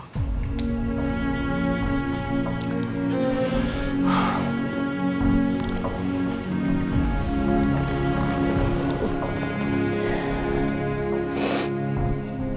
adalah hasil dari perbuatannya dia sendiri ma